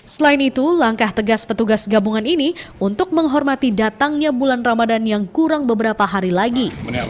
selain itu langkah tegas petugas gabungan ini untuk menghormati datangnya bulan ramadan yang kurang beberapa hari lagi